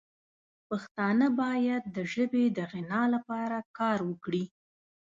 پښتانه باید د ژبې د غنا لپاره کار وکړي.